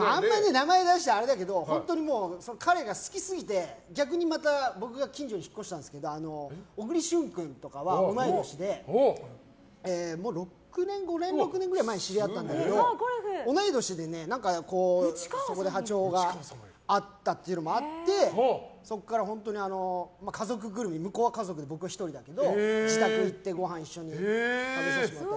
名前出すとあれだけど本当に彼が好きすぎて逆に僕が近所に引っ越したんですけど小栗旬君とかは同い年でもう５年、６年くらい前に知り合ったんだけど同い年で、そこで波長が合ったというのもあってそこから家族ぐるみ向こうは家族で僕は１人だけど自宅に行って、ごはん一緒に食べさせてもらって。